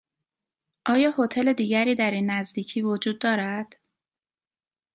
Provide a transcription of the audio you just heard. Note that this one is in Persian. آیا هتل دیگری در این نزدیکی وجود دارد؟